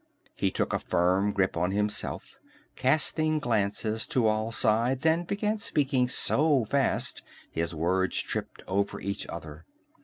He took a firm grip on himself, casting glances to all sides, and began speaking so fast his words tripped over each other.